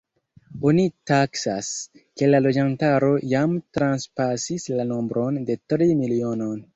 Oni taksas, ke la loĝantaro jam transpasis la nombron de tri milionoj.